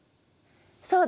そうだ！